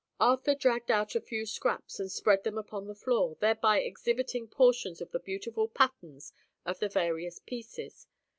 Arthur dragged out a few scraps and spread them upon the floor, thereby exhibiting portions of the beautiful patterns of the various pieces.